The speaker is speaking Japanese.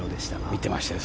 見てましたよ